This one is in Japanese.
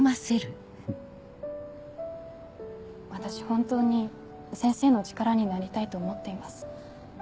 本当に先生の力になりたいと思っています。